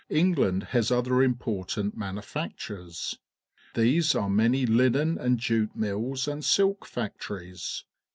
England has other important manufactures. There are many linen ^ and iutg_nulls_an d silk factories.